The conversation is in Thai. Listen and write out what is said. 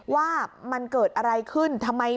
ว่ามันเกิดอะไรขึ้น